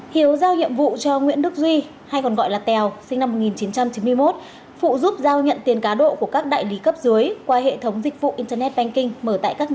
hiếu giao nhiệm vụ cho nguyễn đức duy hay còn gọi là tèo sinh năm một nghìn chín trăm chín mươi một phụ giúp giao nhận tiền cá độ của các đại lý cấp dưới qua hệ thống dịch vụ internet banking